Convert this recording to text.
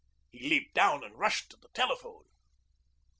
He leaped down and rushed to the telephone.